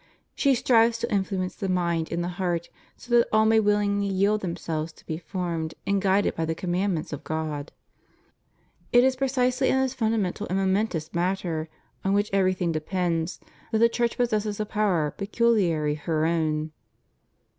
She strives to influence the mind and the heart so that all may willingly yield them selves to be formed and guided by the commandments of God. It is precisely in this fundamental and momentous matter, on which everything depends, that the Church possesses a power peculiarly her own.